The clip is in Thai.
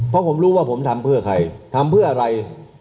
เพราะผมรู้ว่าผมทำเพื่อใครทำเพื่ออะไร